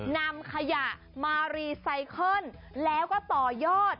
นำขยะมารีไซเคิลแล้วก็ต่อยอด